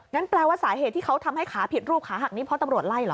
แปลว่าสาเหตุที่เขาทำให้ขาผิดรูปขาหักนี้เพราะตำรวจไล่เหรอ